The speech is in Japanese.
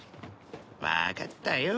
わかったよ。